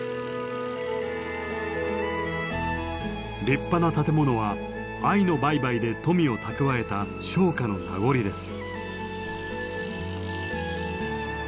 立派な建物は藍の売買で富を蓄えた商家の名残です。